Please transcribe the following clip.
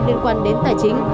liên quan đến tài chính